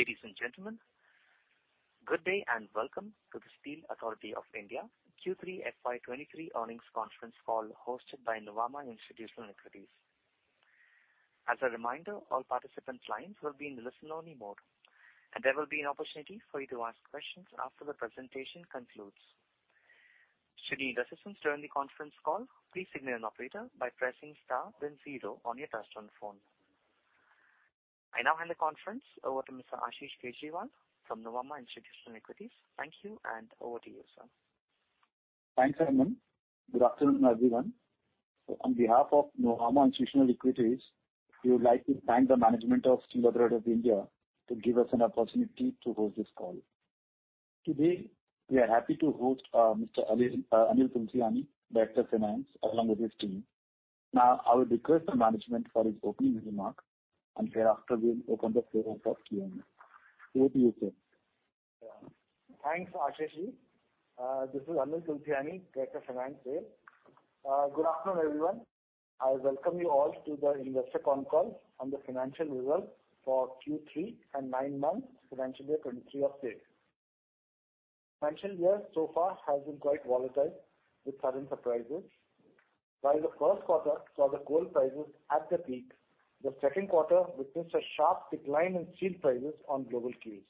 Ladies and gentlemen, good day and welcome to the Steel Authority of India Q3 FY 23 earnings conference call hosted by Nuvama Institutional Equities. As a reminder, all participant lines will be in listen-only mode, and there will be an opportunity for you to ask questions after the presentation concludes. Should you need assistance during the conference call, please signal an operator by pressing star then zero on your touch-tone phone. I now hand the conference over to Ashish Kejriwal from Nuvama Institutional Equities. Thank you, and over to you, sir. Thanks, Hemant. Good afternoon, everyone. On behalf of Nuvama Institutional Equities, we would like to thank the management of Steel Authority of India to give us an opportunity to host this call. Today, we are happy to host Mr. Anil Tulsiani, Director Finance, along with his team. I would request the management for his opening remark, and thereafter, we'll open the floor for Q&A. Over to you, sir. Thanks, Ashish. This is Anil Tulsiani, Director (Finance) here. Good afternoon, everyone. I welcome you all to the investor con call on the financial results for Q3 and nine-month financial year 2023 update. Financial year so far has been quite volatile with certain surprises. While the first quarter saw the coal prices at their peak, the second quarter witnessed a sharp decline in steel prices on global cues.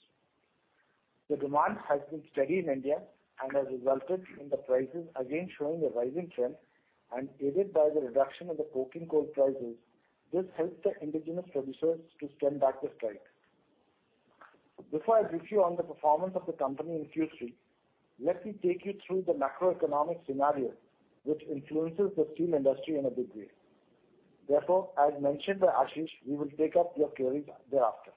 The demand has been steady in India and has resulted in the prices again showing a rising trend and aided by the reduction of the coking coal prices. This helped the indigenous producers to stem back the strike. Before I brief you on the performance of the company in Q3, let me take you through the macroeconomic scenario which influences the steel industry in a big way. As mentioned by Ashish, we will take up your queries thereafter.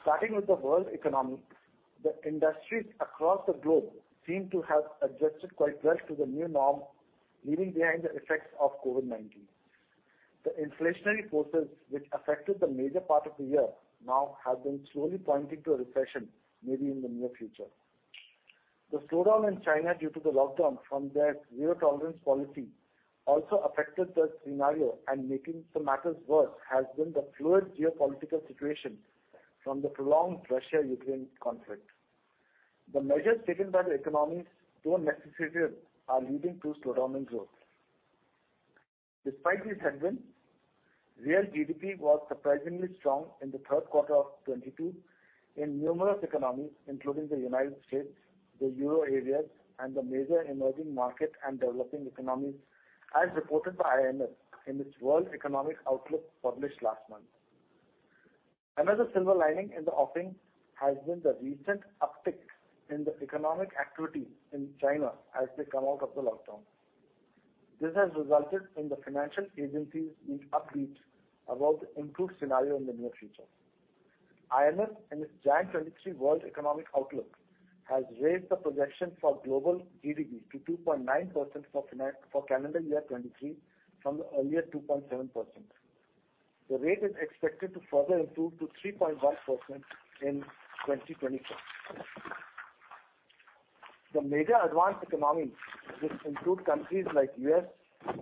Starting with the world economy, the industries across the globe seem to have adjusted quite well to the new norm, leaving behind the effects of COVID-19. The inflationary forces which affected the major part of the year now have been slowly pointing to a recession, maybe in the near future. The slowdown in China due to the lockdown from their zero tolerance policy also affected the scenario and making some matters worse has been the fluid geopolitical situation from the prolonged Russia-Ukraine conflict. The measures taken by the economies, though necessary, are leading to slowdown in growth. Despite these headwinds, real GDP was surprisingly strong in the third quarter of 2022 in numerous economies, including the United States, the Euro areas, and the major emerging markets and developing economies, as reported by IMF in its World Economic Outlook published last month. Another silver lining in the offing has been the recent uptick in the economic activity in China as they come out of the lockdown. This has resulted in the financial agencies being upbeat about the improved scenario in the near future. IMF, in its January 2023 World Economic Outlook, has raised the projection for global GDP to 2.9% for calendar year 2023 from the earlier 2.7%. The rate is expected to further improve to 3.1% in 2024. The major advanced economies, which include countries like U.S.,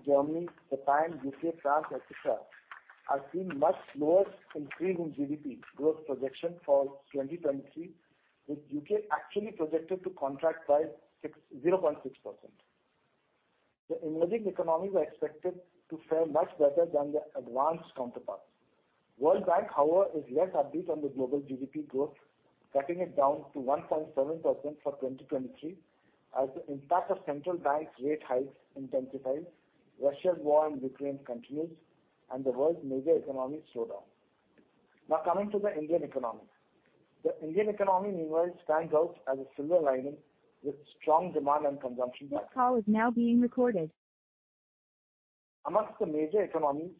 Germany, Japan, U.K., France, et cetera, are seeing much slower increase in GDP growth projection for 2023, with U.K. actually projected to contract by 0.6%. The emerging economies are expected to fare much better than their advanced counterparts. World Bank, however, is less upbeat on the global GDP growth, cutting it down to 1.7% for 2023 as the impact of central banks rate hikes intensifies, Russia's war in Ukraine continues, and the world's major economies slow down. Now coming to the Indian economy. The Indian economy, meanwhile, stands out as a silver lining with strong demand and consumption. This call is now being recorded. Amongst the major economies,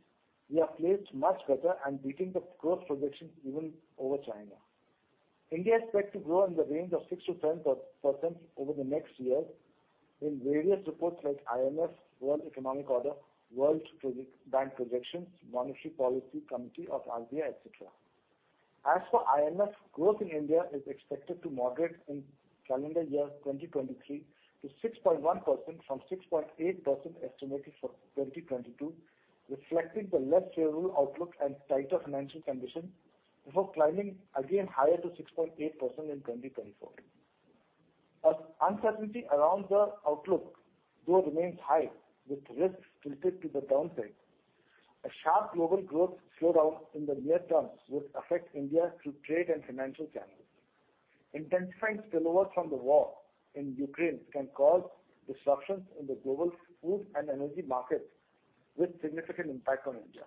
we have placed much better and beating the growth projections even over China. India is set to grow in the range of 6%-10% over the next year in various reports like IMF World Economic Outlook, World Bank projections, Monetary Policy Committee of RBI, et cetera. As for IMF, growth in India is expected to moderate in calendar year 2023 to 6.1% from 6.8% estimated for 2022, reflecting the less favorable outlook and tighter financial conditions before climbing again higher to 6.8% in 2024. Uncertainty around the outlook, though remains high, with risks tilted to the downside. A sharp global growth slowdown in the near term would affect India through trade and financial channels. Intensifying spillovers from the war in Ukraine can cause disruptions in the global food and energy markets with significant impact on India.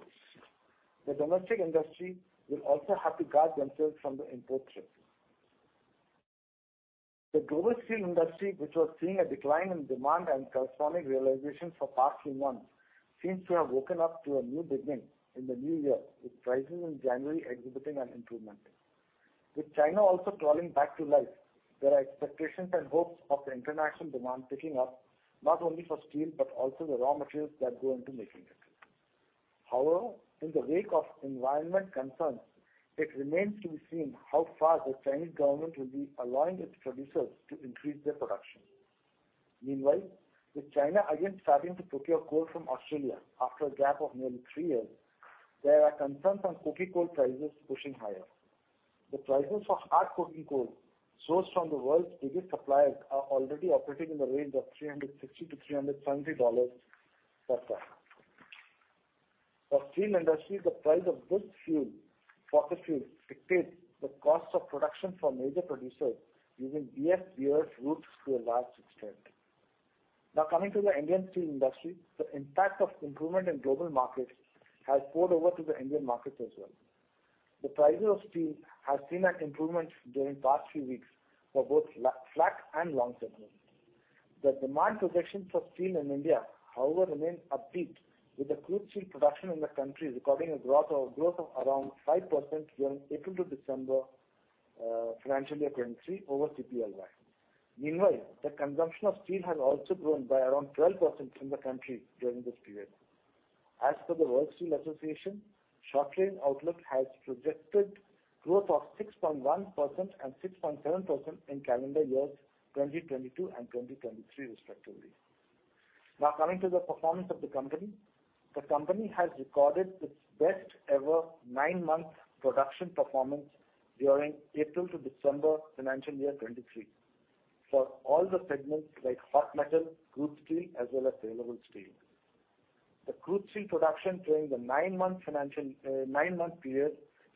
The domestic industry will also have to guard themselves from the import trip. The global steel industry, which was seeing a decline in demand and corresponding realization for past few months, seems to have woken up to a new beginning in the new year, with prices in January exhibiting an improvement. With China also crawling back to life, there are expectations and hopes of the international demand picking up not only for steel, but also the raw materials that go into making it. However, in the wake of environment concerns, it remains to be seen how far the Chinese government will be allowing its producers to increase their production. Meanwhile, with China again starting to procure coal from Australia after a gap of nearly three years, there are concerns on coking coal prices pushing higher. The prices for hard coking coal sourced from the world's biggest suppliers are already operating in the range of $360-$370 per ton. For steel industry, the price of this fuel, pocket fuel, dictates the cost of production for major producers using year-on-year routes to a large extent. Now coming to the Indian steel industry. The impact of improvement in global markets has poured over to the Indian market as well. The prices of steel has seen an improvement during the past few weeks for both flat and long segment. The demand projections for steel in India, however, remain upbeat, with the crude steel production in the country recording a growth of around 5% during April to December, financial year 2023 over CPLY. Meanwhile, the consumption of steel has also grown by around 12% in the country during this period. As per the World Steel Association, short range outlook has projected growth of 6.1% and 6.7% in calendar years 2022 and 2023 respectively. Coming to the performance of the company. The company has recorded its best ever nine-month production performance during April to December financial year 2023 for all the segments like hot metal, crude steel as well as saleable steel. The crude steel production during the nine-month period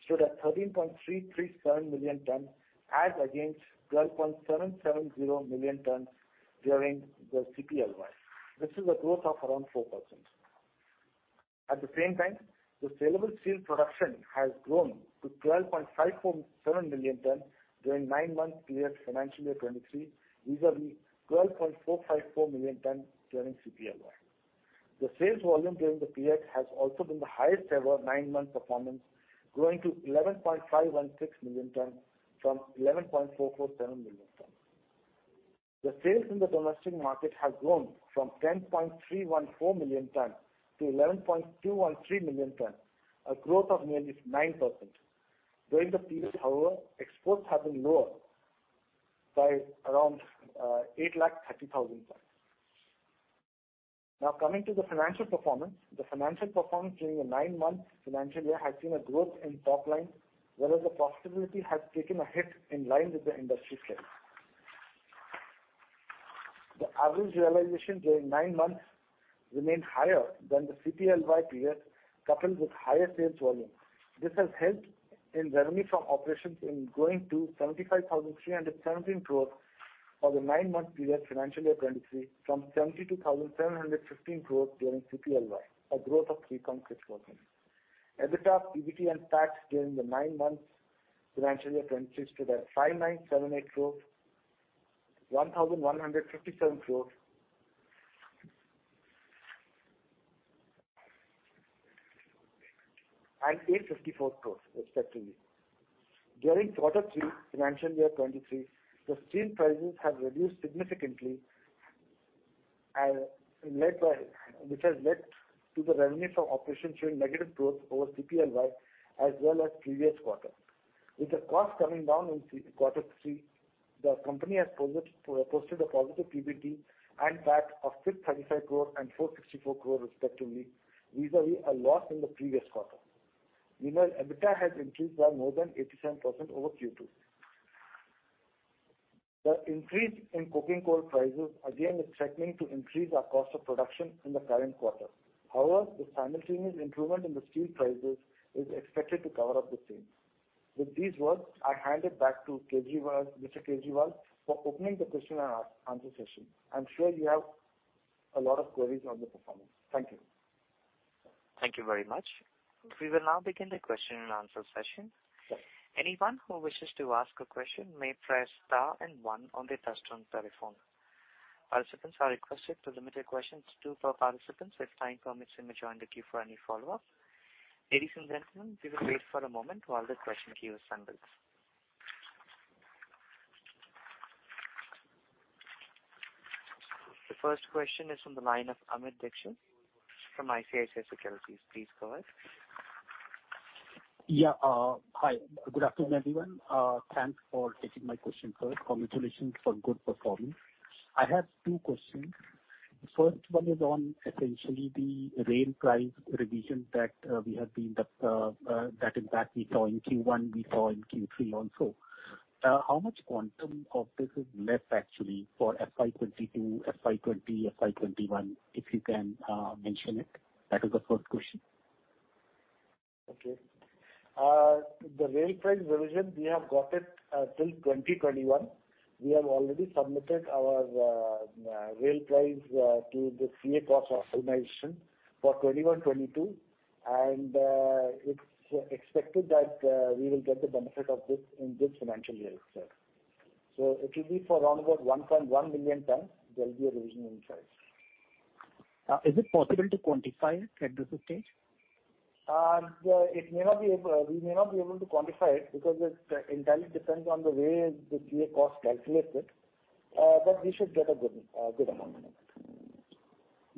stood at 13.337 million tons as against 12.770 million tons during the CPLY, which is a growth of around 4%. At the same time, the saleable steel production has grown to 12.547 million ton during nine months period financial year 2023, vis-a-vis 12.454 million ton during CPLY. The sales volume during the period has also been the highest ever nine-month performance, growing to 11.516 million ton from 11.447 million ton. The sales in the domestic market has grown from 10.314 million ton to 11.213 million ton, a growth of nearly 9%. During the period, however, exports have been lower by around 830,000 tons. Coming to the financial performance. The financial performance during the nine months financial year has seen a growth in top line, whereas the profitability has taken a hit in line with the industry trend. The average realization during nine months remained higher than the CPLY period, coupled with higher sales volume. This has helped in revenue from operations in growing to 75,317 crores over the nine-month period financial year 23 from 72,715 crores during CPLY, a growth of 3.6%. EBITDA, EBT and tax during the nine months financial year 23 stood at INR 5,978 crores, INR 1,157 crores, and 854 crores respectively. During quarter three financial year 23, the steel prices have reduced significantly and which has led to the revenue from operations showing negative growth over CPLY as well as previous quarter. With the cost coming down in quarter three, the company has posted a positive PBT and tax of 635 crores and 464 crores respectively, vis-a-vis a loss in the previous quarter. Meanwhile, EBITDA has increased by more than 87% over Q2. The increase in coking coal prices again is threatening to increase our cost of production in the current quarter. However, the simultaneous improvement in the steel prices is expected to cover up the same. With these words, I hand it back to Kejriwal, Mr. Kejriwal for opening the question and answer session. I'm sure you have a lot of queries on the performance. Thank you. Thank you very much. We will now begin the question and answer session. Anyone who wishes to ask a question may press star and one on their touch-tone telephone. Participants are requested to limit their questions to per participant, if time permits them to join the queue for any follow-up. Ladies and gentlemen, we will wait for a moment while the question queue assembles. The first question is from the line of Amit Dixit from ICICI Securities. Please go ahead. Hi. Good afternoon, everyone. Thanks for taking my question first. Congratulations on good performance. I have two questions. First one is on essentially the rail price revision that impact we saw in Q1, we saw in Q3 also. How much quantum of this is left actually for FY22, FY20, FY21, if you can mention it? That is the first question. The rail price revision, we have got it till 2021. We have already submitted our rail price to the CA Cost Organization for 2021-2022, it's expected that we will get the benefit of this in this financial year itself. It will be for around about 1.1 million tons, there will be a revision in price. Is it possible to quantify it at this stage? We may not be able to quantify it because it entirely depends on the way the CA Cost calculates it. We should get a good amount.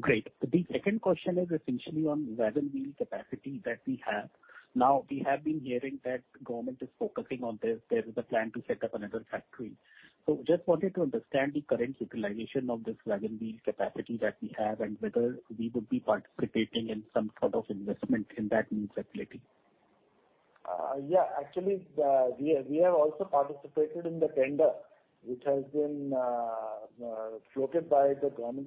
Great. The second question is essentially on wagon wheel capacity that we have. We have been hearing that government is focusing on this. There is a plan to set up another factory. Just wanted to understand the current utilization of this wagon wheel capacity that we have and whether we would be participating in some sort of investment in that new facility. Yeah, actually, we have also participated in the tender which has been floated by the government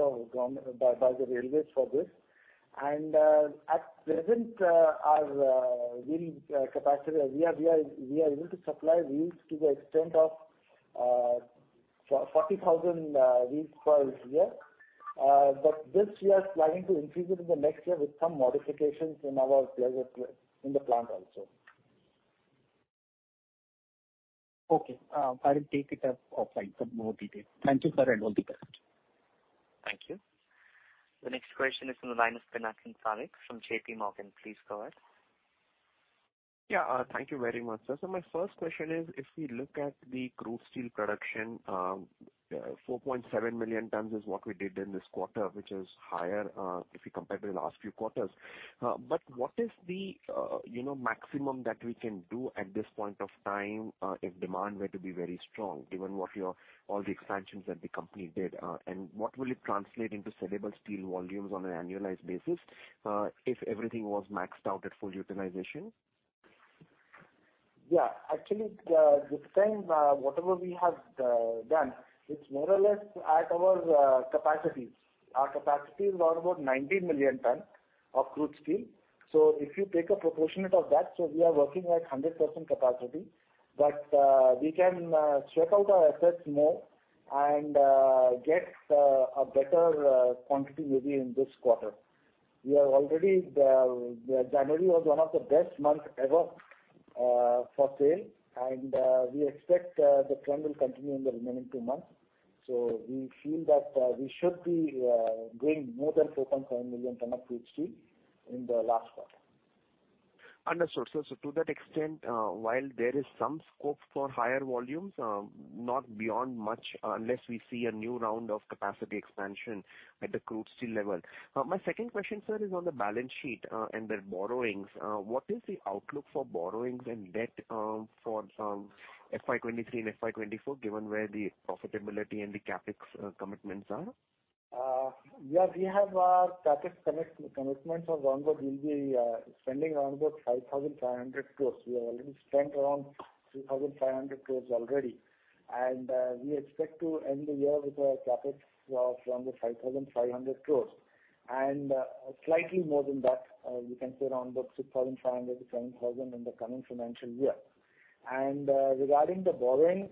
by the railways for this. At present, our wheel capacity, we are able to supply wheels to the extent of 40,000 wheels per year. This year planning to increase it in the next year with some modifications in our plant also. Okay. I will take it up offline for more details. Thank you, sir, and all the best. Thank you. The next question is from the line of Pinakin Parekh from JP Morgan. Please go ahead. Yeah. Thank you very much, sir. My first question is, if we look at the crude steel production, 4.7 million tons is what we did in this quarter, which is higher, if you compare to the last few quarters. What is the, you know, maximum that we can do at this point of time, if demand were to be very strong, given what your all the expansions that the company did? What will it translate into saleable steel volumes on an annualized basis, if everything was maxed out at full utilization? Yeah. Actually, this time, whatever we have done, it's more or less at our capacity. Our capacity is around about 90 million ton of crude steel. If you take a proportionate of that, we are working at 100% capacity. We can stretch out our assets more and get a better quantity maybe in this quarter. We have already the January was one of the best month ever for sale. We expect the trend will continue in the remaining two months. We feel that we should be doing more than 4.7 million ton of crude steel in the last quarter. Understood. To that extent, while there is some scope for higher volumes, not beyond much unless we see a new round of capacity expansion at the crude steel level. My second question, sir, is on the balance sheet and the borrowings. What is the outlook for borrowings and debt for FY23 and FY24, given where the profitability and the CapEx commitments are? We have our CapEx commitments of around about we'll be spending around about 5,500 crores. We have already spent around 3,500 crores already. We expect to end the year with a CapEx of around the 5,500 crores. Slightly more than that, we can say around about 6,500 crores-7,000 crores in the coming financial year. Regarding the borrowings,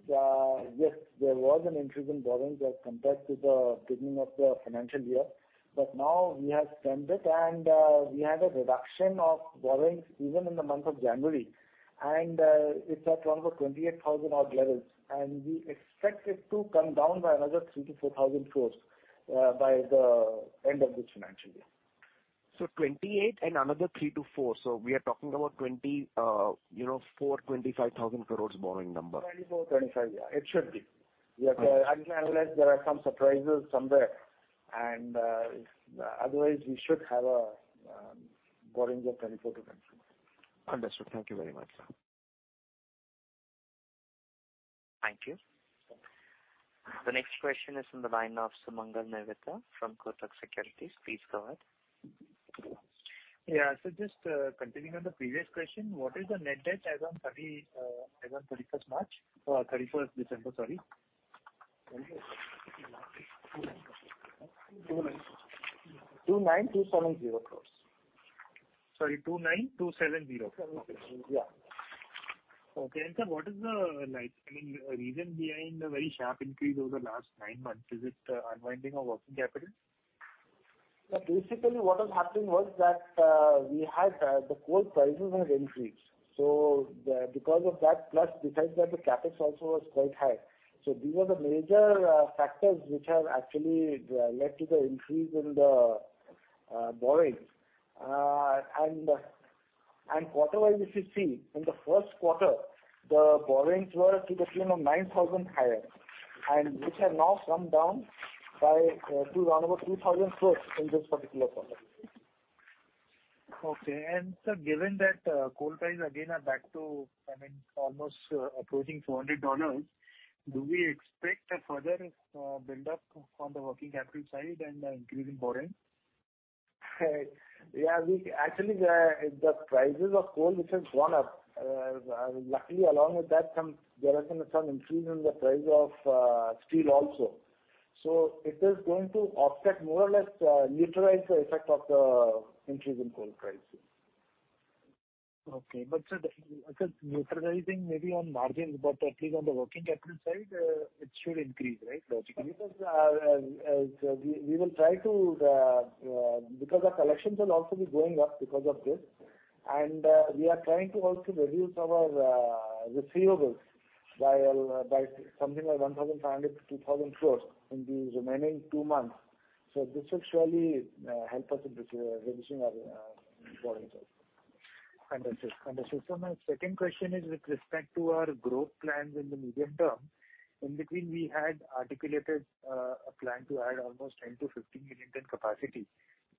yes, there was an increase in borrowings as compared to the beginning of the financial year. Now we have spent it and we had a reduction of borrowings even in the month of January. It's at around the 28,000 crores odd levels, and we expect it to come down by another 3,000 crores-4,000 crores by the end of this financial year. 28 and another 3-4. We are talking about 25,000 crores borrowing number. 24, 25, yeah, it should be. Okay. Yes, unless there are some surprises somewhere and, if, otherwise we should have borrowings of INR 24-25. Understood. Thank you very much, sir. Thank you. The next question is from the line of Sumangal Nevatia from Kotak Securities. Please go ahead. Just, continuing on the previous question, what is the net debt as on 31st March, 31st December, sorry? 29,270 crores. Sorry, 29,270 crores. 70, yeah. Okay. Sir, what is the like, I mean, reason behind the very sharp increase over the last nine months? Is it unwinding of working capital? Basically, what was happening was that, we had, the coal prices had increased. Because of that plus besides that the CapEx also was quite high. These were the major factors which have actually led to the increase in the borrowings. Quarter wise if you see, in the first quarter, the borrowings were to the tune of 9,000 higher, and which have now come down by to around about 2,000 crores in this particular quarter. Okay. Sir, given that coal prices again are back to, I mean, almost approaching $400, do we expect a further build-up on the working capital side and an increase in borrowings? Yeah, we actually, the prices of coal which has gone up. Luckily along with that some there has been some increase in the price of steel also. It is going to offset more or less neutralize the effect of the increase in coal prices. Okay. Sir, I think neutralizing maybe on margins, but at least on the working capital side, it should increase, right, logically? We will try to because our collections will also be going up because of this. We are trying to also reduce our receivables by something like 1,500-2,000 crores in these remaining two months. This should surely help us in reducing our borrowings also. My second question is with respect to our growth plans in the medium term. In between, we had articulated a plan to add almost 10 million-15 million in capacity.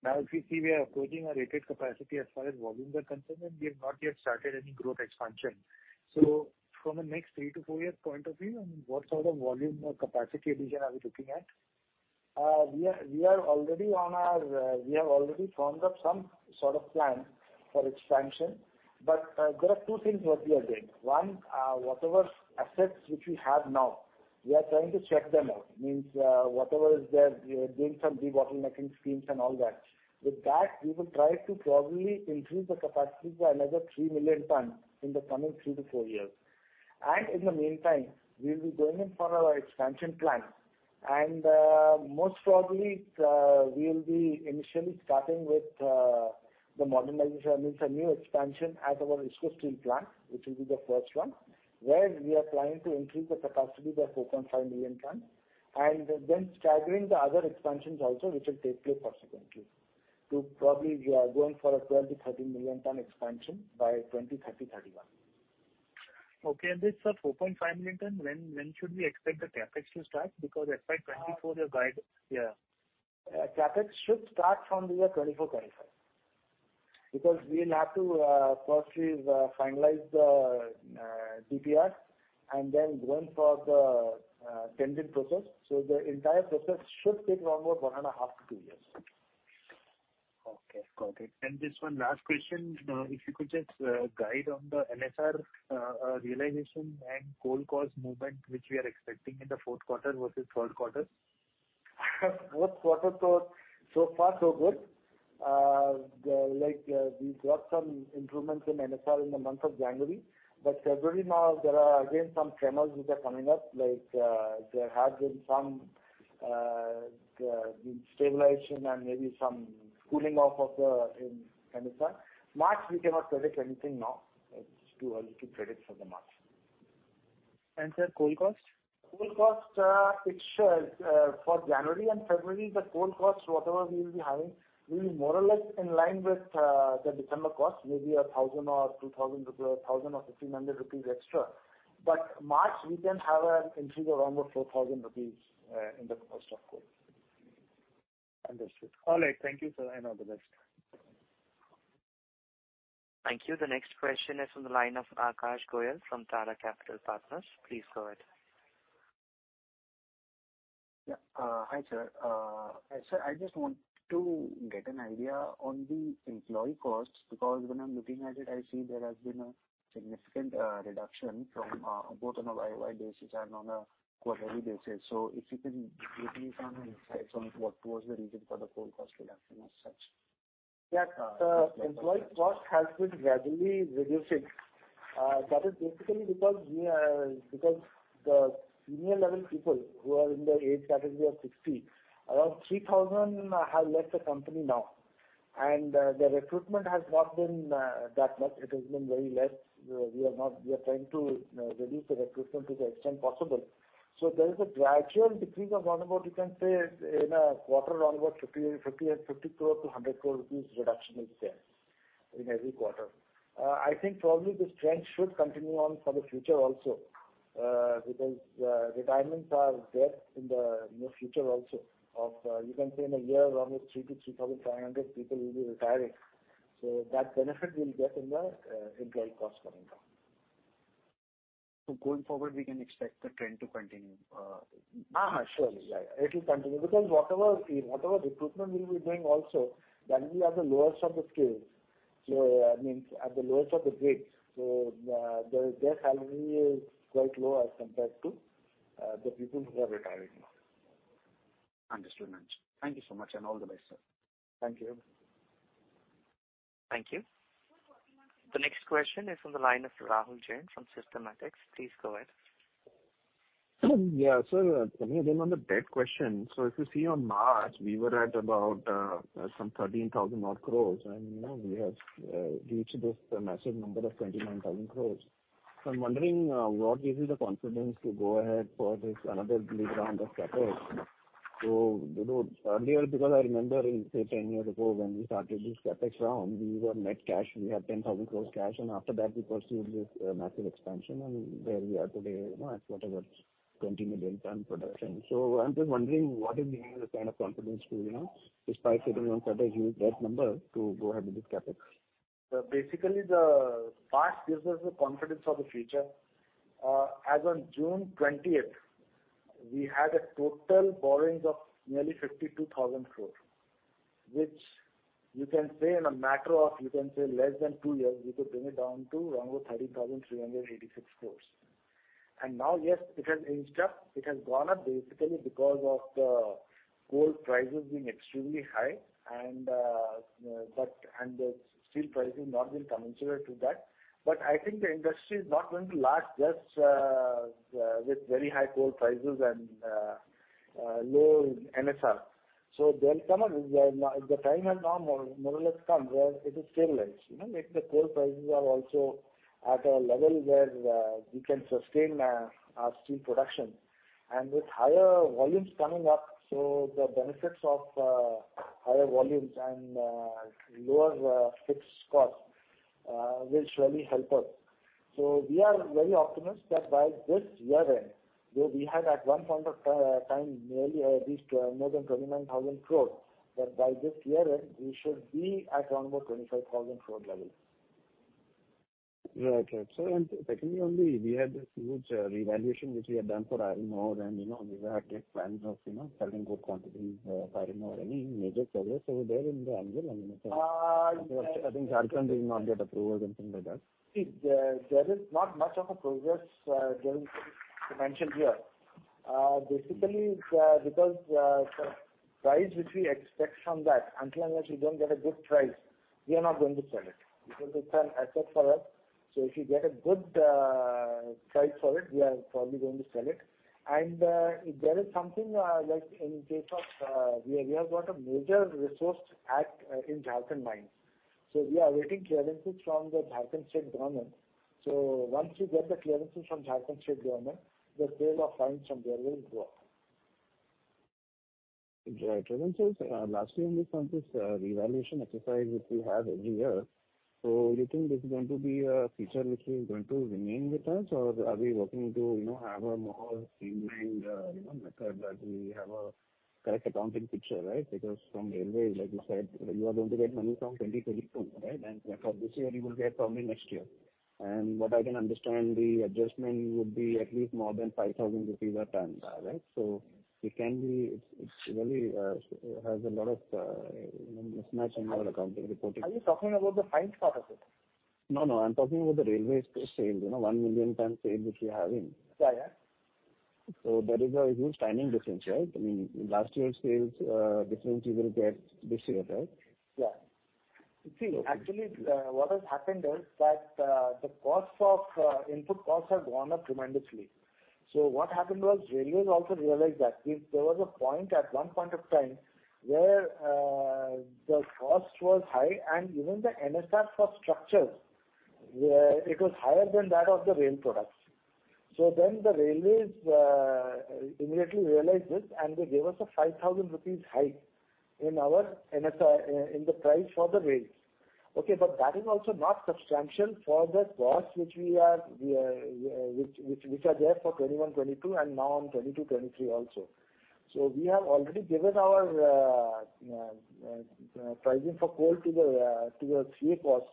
Now if you see, we are approaching our rated capacity as far as volumes are concerned, and we have not yet started any growth expansion. From a next 3-4 year point of view, I mean, what sort of volume or capacity addition are we looking at? We are already on our, we have already formed up some sort of plan for expansion. There are two things what we are doing. One, whatever assets which we have now, we are trying to check them out. Means, whatever is there, we are doing some debottlenecking schemes and all that. With that, we will try to probably increase the capacity by another 3 million tons in the coming four to fouryears. In the meantime, we'll be going in for our expansion plan. Most probably, we'll be initially starting with the modernization, means a new expansion at our Visco Steel plant, which will be the first one, where we are planning to increase the capacity by 4.5 million tons. Staggering the other expansions also, which will take place subsequently to probably we are going for a 12-13 million ton expansion by 2030, 2031. Okay. This, 4.5 million ton, when should we expect the CapEx to start? Because FY 2024 your. Uh- Yeah. CapEx should start from the year 2024, 2025. We'll have to firstly finalize the DPR and then going for the tendon process. The entire process should take around about one and a half to two years. Okay, got it. Just one last question? If you could just guide on the NSR realization and coal cost movement, which we are expecting in the fourth quarter versus third quarter? Fourth quarter so far so good. The like, we got some improvements in NSR in the month of January. February now there are again some tremors which are coming up, like, there has been some stabilization and maybe some cooling off of the, in NSR. March, we cannot predict anything now. It's too early to predict for the March. sir, coal cost? Coal cost, it should, for January and February, the coal cost, whatever we'll be having, will be more or less in line with the December cost, maybe 1,000 or 2,000 rupees, or 1,000 or 1,500 rupees extra. March we can have an increase of around about 4,000 rupees in the cost of coal. Understood. All right, thank you, sir, and all the best. Thank you. The next question is from the line of Akash Goyal from Tara Capital Partners. Please go ahead. Hi, sir. Sir, I just want to get an idea on the employee costs, because when I'm looking at it, I see there has been a significant reduction from both on a YOY basis and on a quarterly basis. If you can give me some insights on what was the reason for the coal cost reduction as such. Yes. The employee cost has been gradually reducing. That is basically because the senior level people who are in the age category of 60, around 3,000 have left the company now. The recruitment has not been that much. It has been very less. We are trying to reduce the recruitment to the extent possible. There is a gradual decrease of around about, you can say, in a quarter, around about 50-100 crore rupees reduction is there in every quarter. I think probably this trend should continue on for the future also, because retirements are there in the near future also of, you can say in a year around 3 to 3,500 people will be retiring. That benefit we'll get in the employee cost coming down. Going forward, we can expect the trend to continue. surely. It will continue because whatever recruitment we'll be doing also that will be at the lowest of the scale. I mean, at the lowest of the grade. Their salary is quite low as compared to the people who are retiring now. Understood, man. Thank you so much and all the best, sir. Thank you. Thank you. The next question is from the line of Rahul Jain from Systematics. Please go ahead. Coming again on the debt question. If you see on March, we were at about 13,000 crore, and now we have reached this massive number of 29,000 crore. I'm wondering, what gives you the confidence to go ahead for this another big round of CapEx? Earlier, you know, because I remember in, say, 10 years ago when we started this CapEx round, we were net cash. We had 10,000 crore cash, and after that we pursued this massive expansion, and there we are today, you know, at whatever 20 million ton production. I'm just wondering, what is giving you the kind of confidence to, you know, despite sitting on such a huge debt number to go ahead with this CapEx? Basically the past gives us the confidence for the future. As on June 20th, we had a total borrowings of nearly 52,000 crores, which in a matter of less than two years, we could bring it down to around about 13,386 crores. Now, yes, it has inched up. It has gone up basically because of the coal prices being extremely high and the steel pricing not been commensurate to that. I think the industry is not going to last just with very high coal prices and low NSR. The time has now more or less come where it is stabilized, you know. If the coal prices are also at a level where we can sustain our steel production. With higher volumes coming up, the benefits of higher volumes and lower fixed costs will surely help us. We are very optimistic that by this year end, though we had at one point of time nearly at least more than 29,000 crore, that by this year end we should be at around about 25,000 crore level. Right. Okay. Secondly, only we had this huge revaluation which we had done for iron ore, and, you know, we had plans of, you know, selling good quantities, firing or any major progress over there in the annual I think Jharkhand did not get approved anything like that. See, there is not much of a progress during to mention here. Basically, because the price which we expect from that, until unless we don't get a good price, we are not going to sell it. Because it's an asset for us, so if we get a good price for it, we are probably going to sell it. If there is something like in case of, we have got a major resource at in Jharkhand mine. Once we get the clearances from Jharkhand state government, the sale of fines from there will go up. Right. Lastly on this revaluation exercise which we have every year, you think this is going to be a feature which is going to remain with us or are we working to, you know, have a more streamlined, you know, method that we have a correct accounting picture, right? Because from railway, like you said, you are going to get money from 2022, right? For this year you will get probably next year. What I can understand, the adjustment would be at least more than 5,000 rupees a ton, right? It can be. It's really has a lot of, you know, mismatch in our accounting reporting. Are you talking about the fines part of it? No, no. I'm talking about the railway sales. You know, 1 million ton sales which we are having. Yeah, yeah. There is a huge timing difference, right? I mean, last year's sales difference you will get this year, right? Actually, what has happened is that the cost of input costs have gone up tremendously. What happened was railways also realized that if there was a point at one point of time where the cost was high and even the NSR for structures, it was higher than that of the rail products. The railways immediately realized this, and they gave us a 5,000 rupees hike in our in the price for the rails. That is also not substantial for the costs which we are which are there for 2021-2022, and now on 2022-2023 also. We have already given our pricing for coal to the CA Cost,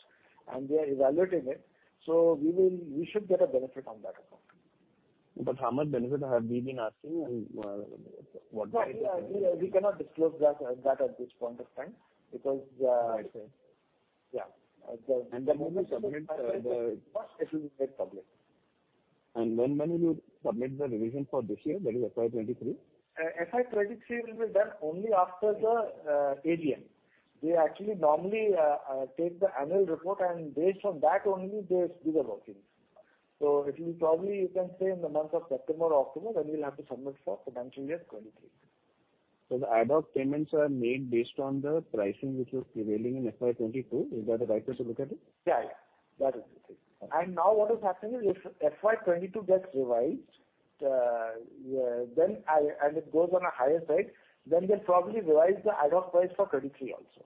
and they are evaluating it. We will... we should get a benefit on that account. How much benefit have we been asking and, what We cannot disclose that at this point of time because. I see. Yeah. The first it will get public. When will you submit the revision for this year, that is FY 23? FY23 will be done only after the AGM. We actually normally take the annual report and based on that only they do the workings. It will probably you can say in the month of September or October when we'll have to submit for financial year 23. The ad hoc payments are made based on the pricing which was prevailing in FY 2022. Is that the right way to look at it? Yeah, yeah. That is it. Okay. Now what is happening is if FY 2022 gets revised, then it goes on a higher side, then we'll probably revise the ad hoc price for 2023 also.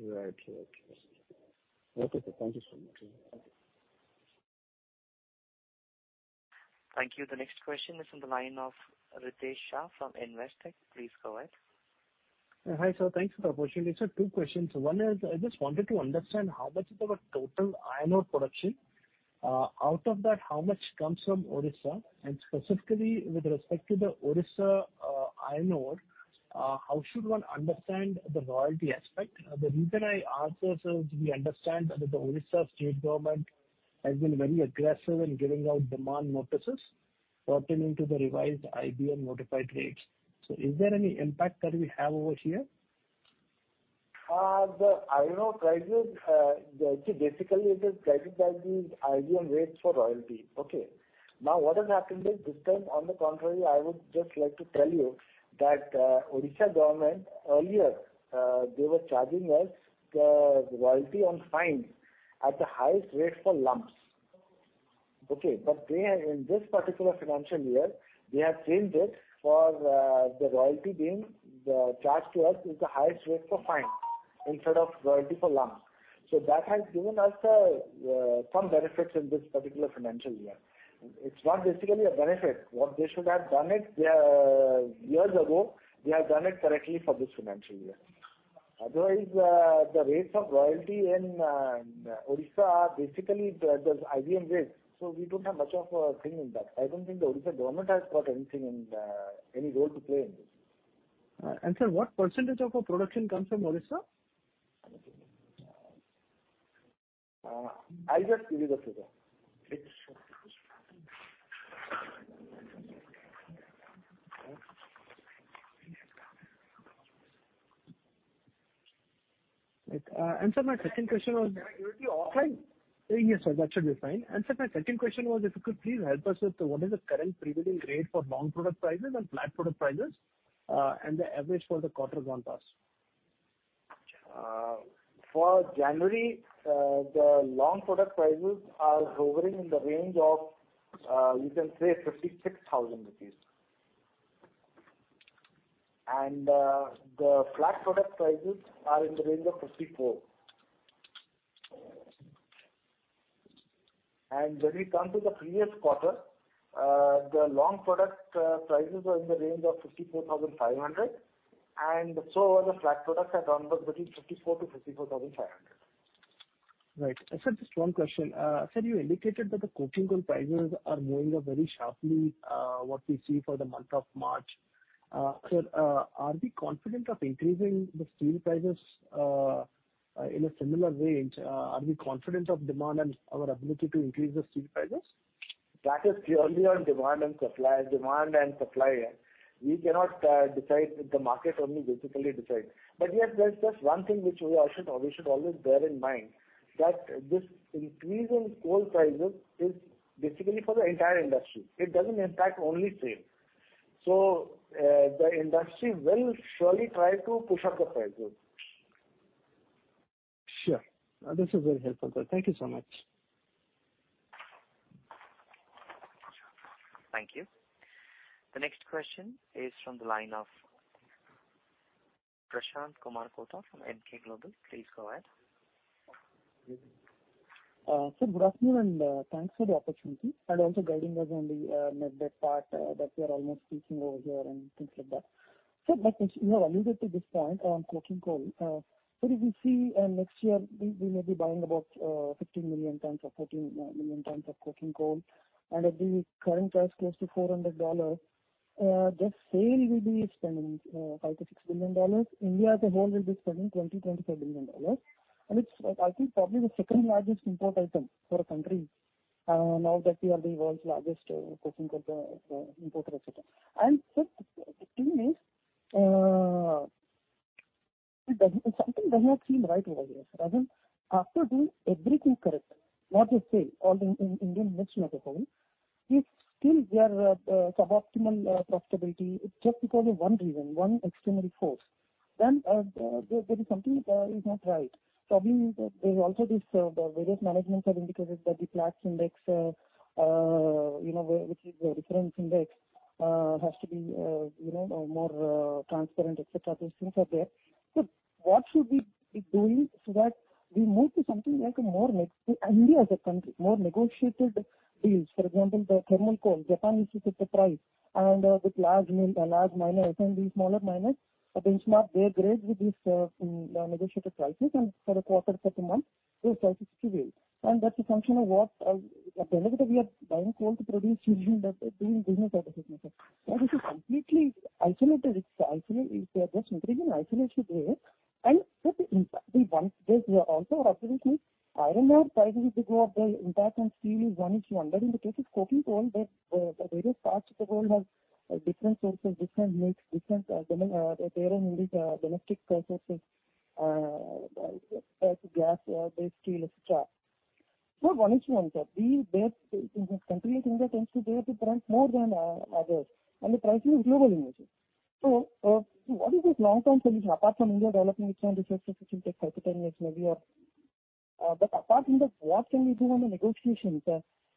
Right. Okay. Okay. Thank you so much. Thank you. Thank you. The next question is on the line of Ritesh Shah from Investec. Please go ahead. Hi, sir. Thanks for the opportunity. Sir, two questions. One is I just wanted to understand how much of our total iron ore production, out of that, how much comes from Odisha? Specifically with respect to the Odisha iron ore, how should one understand the royalty aspect? The reason I ask this is we understand that the Odisha state government has been very aggressive in giving out demand notices pertaining to the revised IBM notified rates. Is there any impact that we have over here? The iron ore prices, basically it is characterized the IBM rates for royalty. Okay. What has happened is this time, on the contrary, I would just like to tell you that Odisha government earlier, they were charging us the royalty on fines at the highest rates for lumps. Okay. In this particular financial year, they have changed it for the royalty being charged to us is the highest rate for fines instead of royalty for lumps. That has given us some benefits in this particular financial year. It's not basically a benefit. What they should have done it years ago, they have done it correctly for this financial year. The rates of royalty in Odisha are basically the IBM rates, we don't have much of a thing in that. I don't think the Odisha government has got anything in any role to play in this. Sir, what % of our production comes from Odisha? I'll just give you the figure. It's. Sir, my second question. Can I give it to you offline? Yes, sir. That should be fine. Sir, my second question was if you could please help us with what is the current prevailing rate for long product prices and flat product prices, and the average for the quarter gone past? For January, the long product prices are hovering in the range of, you can say 56,000 rupees. The flat product prices are in the range of 54,000. When we come to the previous quarter, the long product prices were in the range of 54,500, and so were the flat products have ranged between 54,000-54,500. Right. Sir, just one question. Sir, you indicated that the coking coal prices are going up very sharply, what we see for the month of March. Sir, are we confident of increasing the steel prices, in a similar range? Are we confident of demand and our ability to increase the steel prices? That is purely on demand and supply. Demand and supply. We cannot decide. The market only basically decides. Yes, there's just one thing which we all should always bear in mind that this increase in coal prices is basically for the entire industry. It doesn't impact only steel. The industry will surely try to push up the prices. Sure. This is very helpful, sir. Thank you so much. Thank you. The next question is from the line of Prashanth Kumar Kota from NK Global. Please go ahead. Sir, good afternoon, thanks for the opportunity and also guiding us on the net debt part that we are almost reaching over here and things like that. Next, you have alluded to this point on coking coal. If you see, next year, we may be buying about 15 million tons or 13 million tons of coking coal. At the current price, close to $400, just SAIL will be spending $5 billion-$6 billion. India as a whole will be spending $20 billion-$25 billion. It's, I think probably the second-largest import item for a country, now that we are the world's largest coking coal importer, et cetera. Sir, the thing is, Something doesn't seem right over here, rather after doing everything correct, not just SAIL or in Indian industry as a whole, if still we are sub-optimal profitability just because of one reason, one external force, then there is something not right. Probably, there's also this, various managements have indicated that the Platts index, you know, where which is a reference index, has to be, you know, more transparent, et cetera. Those things are there. What should we be doing so that we move to something like a more neg- And India as a country, more negotiated deals? For example, the thermal coal, Japan fixes the price and with large miners and these smaller miners benchmark their grades with these negotiated prices and for a quarter, for a month, those prices prevail. That's a function of what, at the end of the day, we are buying coal to produce steel and doing business out of it. This is completely isolated. They are just living in isolation there. Sir, the impact, the one, there's also a reference with iron ore prices because of the impact on steel is one, but in the case of coking coal, the various parts of the world has different sources, different mix, different their own unique domestic sources, as gas-based steel, et cetera. One is one, sir. We, there, in this country, India tends to bear the brunt more than others, the pricing is global anyway. What is this long-term solution, apart from India developing its own resources, which will take 5 to 10 years maybe, or... Apart from that, what can we do on the negotiations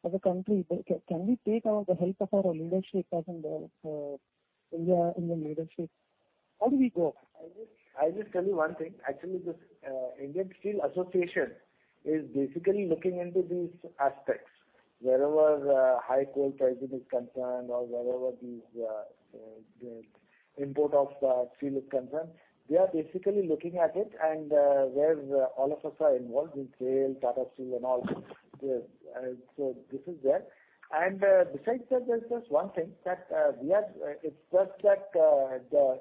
as a country? Can we take the help of our leadership as in the Indian leadership? How do we go? I'll just tell you one thing. Actually, this Indian Steel Association is basically looking into these aspects. Wherever high coal pricing is concerned or wherever these the import of steel is concerned, they are basically looking at it. Where all of us are involved with SAIL, Tata Steel and all. Yes. This is there. Besides that, there's just one thing that It's just that the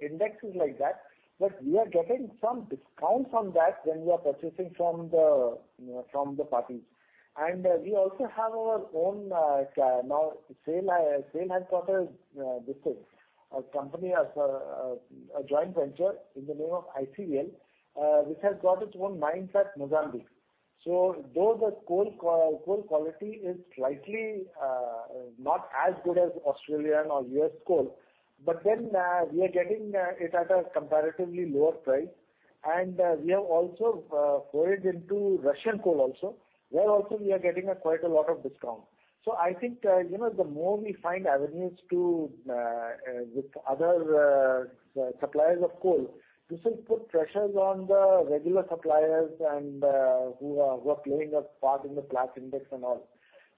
index is like that, but we are getting some discount from that when we are purchasing from the, from the parties. We also have our own now SAIL has got a this thing. A company has a joint venture in the name of ICVL which has got its own mines at Mozambique. Though the coal quality is slightly not as good as Australian or U.S. coal, we are getting it at a comparatively lower price. We have also forayed into Russian coal also. There also we are getting a quite a lot of discount. I think, you know, the more we find avenues to with other suppliers of coal, this will put pressures on the regular suppliers and who are playing a part in the Platts index and all,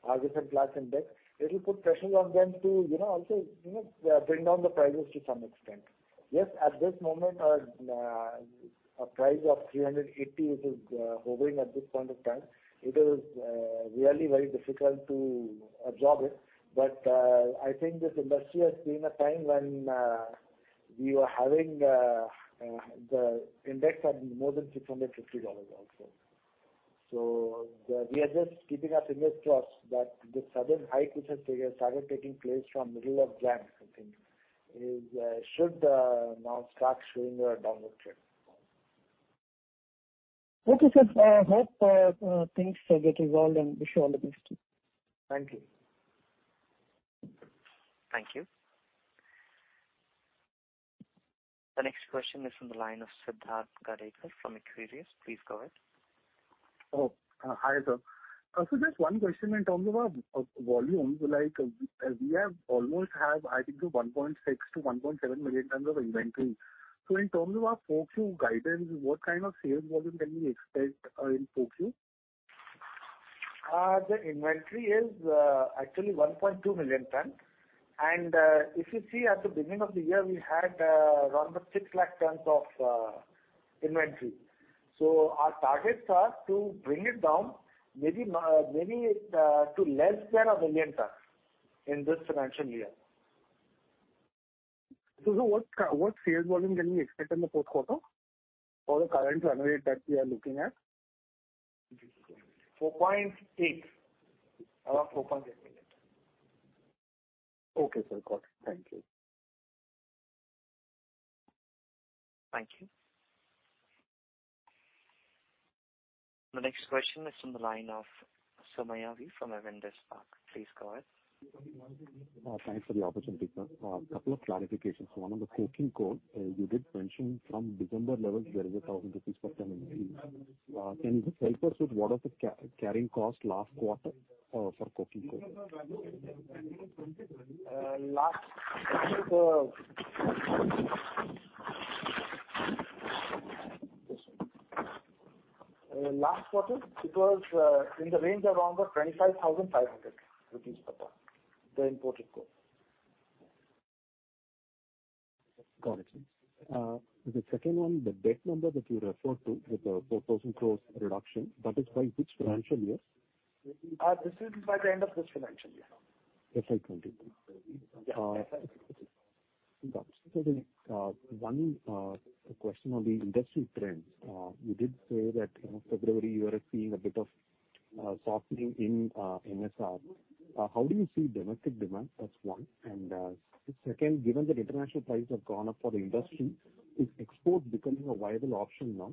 Argus and Platts index. It will put pressures on them to, you know, also, you know, bring down the prices to some extent. Yes, at this moment, a price of $380 which is hovering at this point of time, it is really very difficult to absorb it. I think this industry has seen a time when we were having the index at more than $650 also. We are just keeping our fingers crossed that this sudden hike which has started taking place from middle of January, I think, is should now start showing a downward trend. Okay, sir. Hope things are getting resolved and wish you all the best. Thank you. Thank you. The next question is from the line of Siddharth Gadekar from Equirus. Please go ahead. Hi, sir. Just one question in terms of volume. Like, we have almost have, I think the 1.6 to 1.7 million tons of inventory. In terms of our 4Q guidance, what kind of sales volume can we expect in 4Q? The inventory is actually 1.2 million tons. If you see at the beginning of the year, we had around about 6 lakh tons of inventory. Our targets are to bring it down maybe to less than 1 million tons in this financial year. what sales volume can we expect in the fourth quarter for the current run rate that we are looking at? 4.8. Around 4.8 million. Okay, sir. Got it. Thank you. Thank you. The next question is from the line of c. Please go ahead. Thanks for the opportunity, sir. A couple of clarifications. One on the coking coal, you did mention from December levels, there is a 1,000 rupees per ton increase. Can you just help us with what was the carrying cost last quarter, for coking coal? Last quarter it was in the range of around about INR 25,500 per ton, the imported coal. Got it. The second one, the debt number that you referred to with the 4,000 crore reduction, that is by which financial year? This is by the end of this financial year. FY 23. Yeah, FY23. Got it. One question on the industry trends. You did say that, you know, February you are seeing a bit of softening in NSR. How do you see domestic demand? That's one. Second, given that international prices have gone up for the industry, is export becoming a viable option now?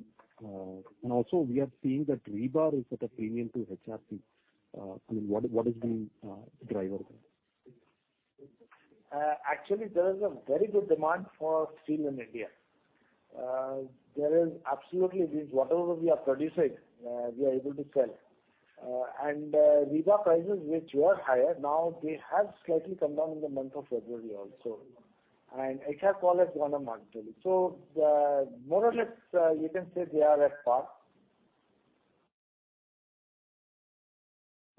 Also, we are seeing that rebar is at a premium to HRC. I mean, what is the driver there? Actually, there is a very good demand for steel in India. There is absolutely, whatever we are producing, we are able to sell. Rebar prices which were higher, now they have slightly come down in the month of February also. HRC followed one month only. The monotypes, you can say they are at par.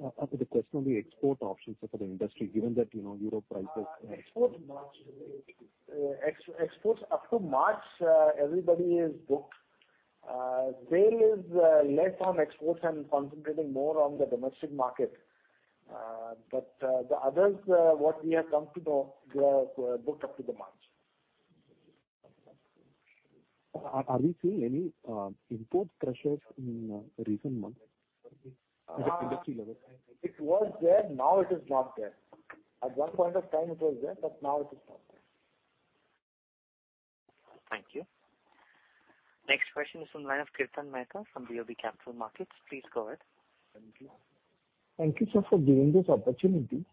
The question on the export options for the industry, given that, you know, Europe prices-. Export March. Exports up to March, everybody is booked. JAYLE is less on exports and concentrating more on the domestic market. The others, what we have come to know they are booked up to the March. Are we seeing any import pressures in recent months at the industry level? It was there, now it is not there. At one point of time it was there, but now it is not there. Thank you. Next question is from the line of Kirtan Mehta from BOB Capital Markets. Please go ahead. Thank you. Thank you, sir, for giving this opportunity.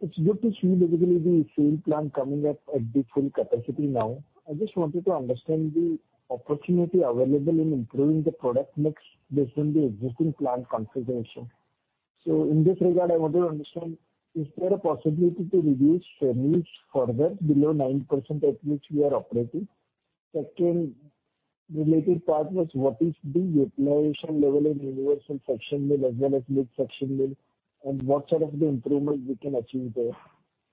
It's good to see regularly the steel plant coming up at the full capacity now. I just wanted to understand the opportunity available in improving the product mix based on the existing plant configuration. In this regard, I want to understand, is there a possibility to reduce ferrous further below 9% at which we are operating? Second related part was what is the utilization level in Universal Section Mill as well as Medium Section Mill, and what sort of the improvements we can achieve there?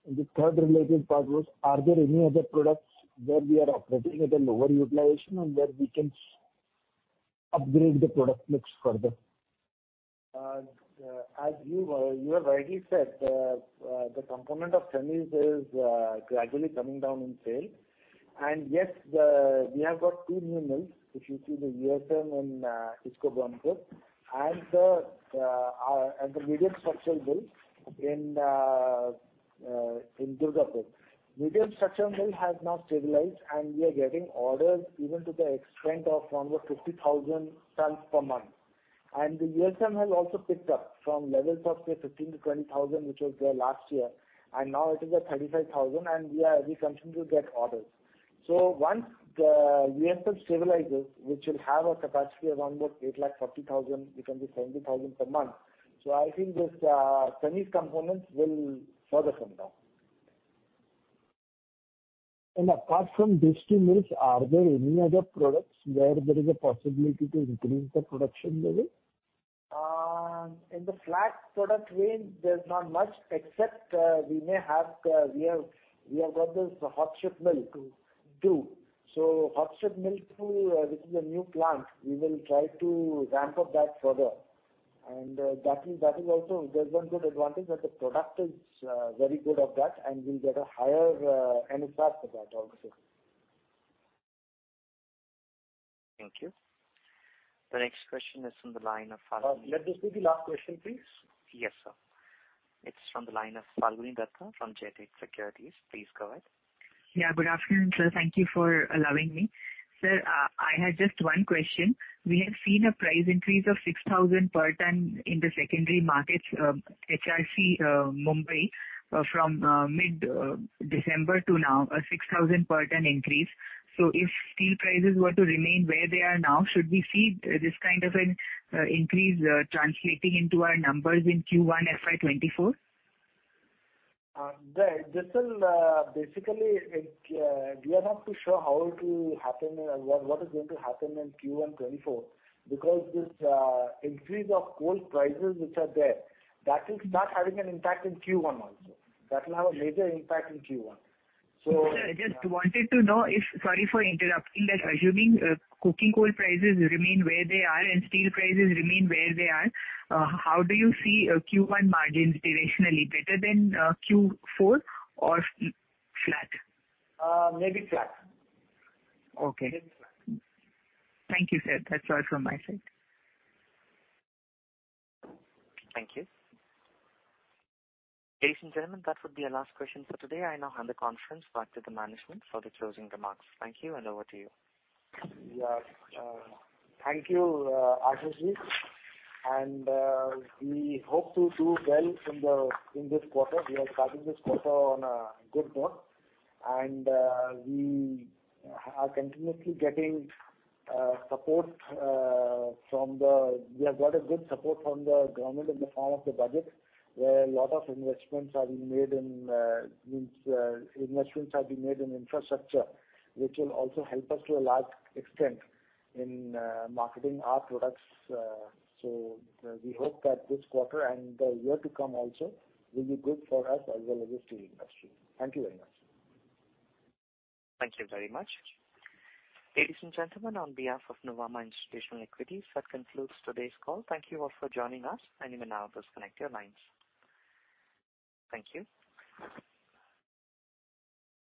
The third related part was, are there any other products where we are operating at a lower utilization and where we can upgrade the product mix further? As you have rightly said, the component of ferrous is gradually coming down in sales. Yes, we have got two new mills. If you see the RINL in Visakhapatnam and the medium structural mill in Durgapur. Medium structural mill has now stabilized, and we are getting orders even to the extent of around about 50,000 tons per month. The RINL has also picked up from levels of say 15,000-20,000, which was there last year, and now it is at 35,000. We continue to get orders. Once the RINL stabilizes, which will have a capacity around about 840,000, it can be 70,000 per month. I think this ferrous components will further come down. Apart from these 2 mills, are there any other products where there is a possibility to increase the production level? In the flat product range, there's not much except we have got this hot strip mill too. Hot strip mill too, this is a new plant. We will try to ramp up that further. That is also. There's one good advantage that the product is very good of that and we'll get a higher NSR for that also. Thank you. The next question is from the line of Falguni- Let this be the last question, please. Yes, sir. It's from the line of Falguni Datta from Geojit Financial Services. Please go ahead. Yeah. Good afternoon, sir. Thank you for allowing me. Sir, I had just one question. We have seen a price increase of 6,000 per ton in the secondary markets, HRC, Mumbai, from mid-December to now, a 6,000 per ton increase. If steel prices were to remain where they are now, should we see this kind of an increase translating into our numbers in Q1 FY24? Basically, it, we are not too sure how it will happen or what is going to happen in Q1 2024, because this, increase of coal prices which are there, that is not having an impact in Q1 also. That will have a major impact in Q1. Sir, I just wanted to know. Sorry for interrupting. Just assuming coking coal prices remain where they are and steel prices remain where they are, how do you see Q1 margins directionally, better than Q4 or flat? Maybe flat. Okay. Maybe flat. Thank you, sir. That's all from my side. Thank you. Ladies and gentlemen, that would be our last question for today. I now hand the conference back to the management for the closing remarks. Thank you, and over to you. Yeah. Thank you, Ajayji. We hope to do well in the, in this quarter. We are starting this quarter on a good note. We are continuously getting support. We have got a good support from the government in the form of the budget, where a lot of investments are being made in, means, investments have been made in infrastructure, which will also help us to a large extent in marketing our products. We hope that this quarter and the year to come also will be good for us as well as the steel industry. Thank you very much. Thank you very much. Ladies and gentlemen, on behalf of Nuvama Institutional Equities, that concludes today's call. Thank you all for joining us. You may now disconnect your lines. Thank you.